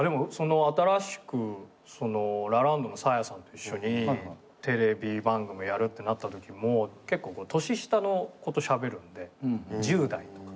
新しくラランドのサーヤさんと一緒にテレビ番組やるってなったときも結構年下の子としゃべるんで１０代とか。